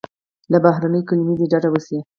له بهرنیو کلیمو دې ډډه وسي.